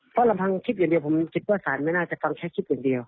เพราะลำพังคลิปอย่างเดียวผมคิดว่าศาลไม่น่าจะฟังแค่คลิปอย่างเดียว